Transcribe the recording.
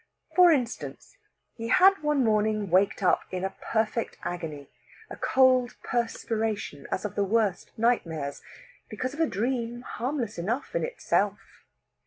For instance, he had one morning waked up in a perfect agony a cold perspiration as of the worst nightmares because of a dream harmless enough in itself.